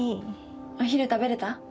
お昼食べれた？